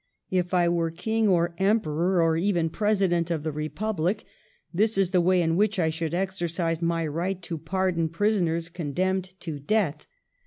If I were king or emperor, or even President of the Republic, this is the way in which I should exercise my right to pardon prisoners condemned to death.